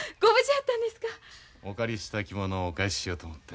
お借りした着物をお返ししようと思って。